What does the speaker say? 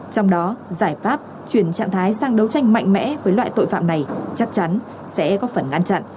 trong đó giải pháp chuyển trạng thái sang đấu tranh mạnh mẽ với loại tội phạm này chắc chắn sẽ góp phần ngăn chặn